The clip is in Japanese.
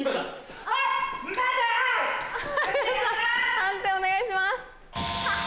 判定お願いします。